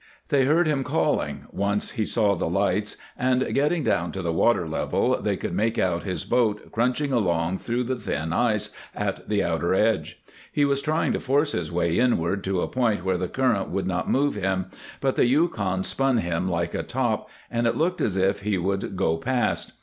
They heard him calling, once he saw the lights, and, getting down to the water level, they could make out his boat crunching along through the thin ice at the outer edge. He was trying to force his way inward to a point where the current would not move him, but the Yukon spun him like a top, and it looked as if he would go past.